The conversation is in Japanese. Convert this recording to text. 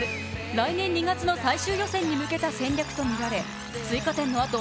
来年２月の最終予選に向けた戦略とみられ追加点のあと